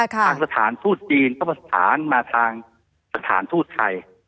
ทางสถานทูตจีนก็ประสานมาทางสถานทูตไทย